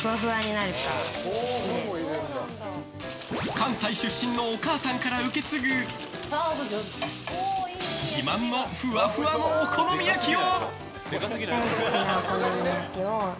関西出身のお母さんから受け継ぐ自慢のふわふわのお好み焼きを。